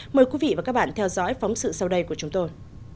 mời quý vị và các bạn theo dõi phóng sự sau đây của chúng tôi